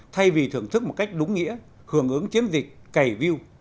thay vì thưởng thức một cách đúng nghĩa hưởng ứng chiến dịch cày view